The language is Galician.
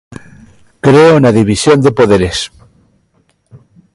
Creo na división de poderes.